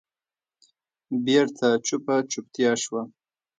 بېرته چوپه چوپتیا شوه.